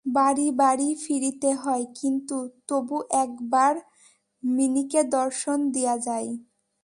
বাড়ি বাড়ি ফিরিতে হয় কিন্তু তবু একবার মিনিকে দর্শন দিয়া যায়।